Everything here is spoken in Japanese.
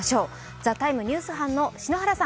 「ＴＨＥＴＩＭＥ，ニュース」班の篠原さん